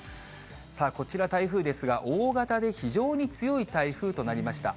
さあ、こちら、台風ですが、大型で非常に強い台風となりました。